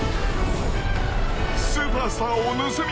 ［スーパースターを盗み